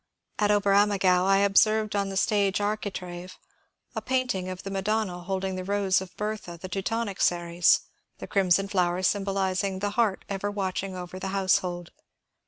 At Oberammergau I observed on the stage architrave a painting of the Madonna holding the rose of Bertha, the Teutonic Ceres, the crimson flower symbolizing the heart ever watching over the house hold.